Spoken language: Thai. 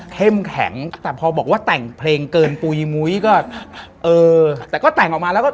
ถ้ากูเปิดของเขานะ